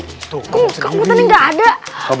kok kekuatan ini gak ada